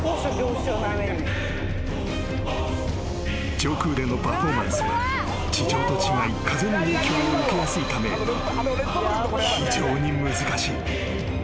［上空でのパフォーマンスは地上と違い風の影響を受けやすいため非常に難しい］